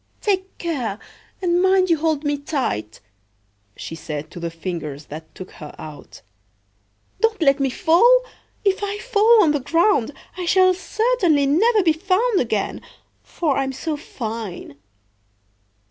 "Take care, and mind you hold me tight!" she said to the Fingers that took her out. "Don't let me fall! If I fall on the ground I shall certainly never be found again, for I am so fine!"